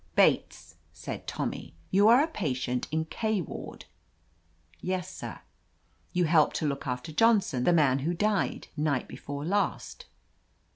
"Bates," said Tommy, "you are a patient in Kwardr "Yes, sir." "You helped to look after Johnson, the man who died night before last